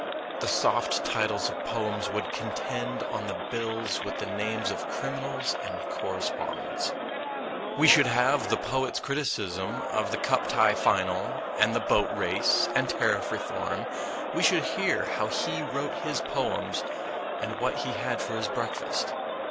The soft titles of poems would contend on the bills with the names of criminals and co respondents. We should have the poet's criticism of the Cup tie final and the Boat Race and Tariff 58 MONOLOGUES Reform. We should hear how he wrote his poems and what he had for his breakfast.